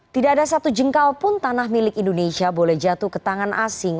tidak ada satu jengkal pun tanah milik indonesia boleh jatuh ke tangan asing